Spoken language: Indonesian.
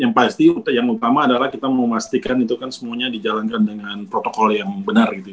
yang pasti yang utama adalah kita memastikan itu kan semuanya dijalankan dengan protokol yang benar gitu ya